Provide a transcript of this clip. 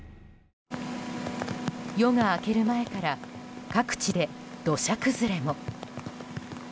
夜が明ける前から各地で、土砂崩れも。